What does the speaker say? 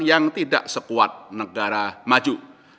yang tidak sekuat negara maju